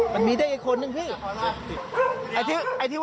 มันมีตั้งเป็นคนหนึ่งอีก